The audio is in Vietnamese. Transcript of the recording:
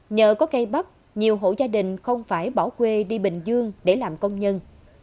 nhờ có cây bắp nhiều hộ gia đình không phải bỏ quê đi bình dương để làm công nhân